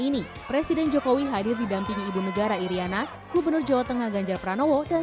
ini presiden jokowi hadir didampingi ibu negara iryana gubernur jawa tengah ganjar pranowo dan